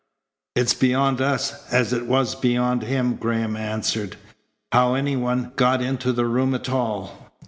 "It's beyond us, as it was beyond him," Graham answered, "how any one got into the room at all."